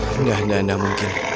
tidak tidak mungkin